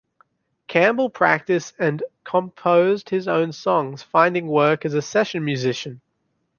Campbell practiced, and composed his own songs, finding work as a session musician.